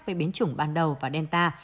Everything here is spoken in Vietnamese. với biến chủng ban đầu và delta